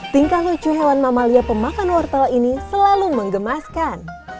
tingkah lucu hewan mamalia pemakan wortel ini selalu mengemaskan